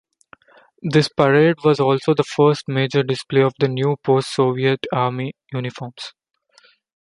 This parade was also the first major display of the new post-Soviet army uniforms.